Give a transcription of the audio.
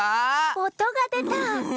おとがでた。